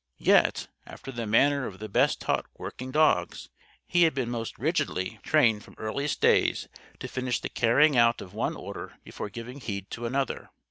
Yet, after the manner of the best taught "working" dogs, he had been most rigidly trained from earliest days to finish the carrying out of one order before giving heed to another.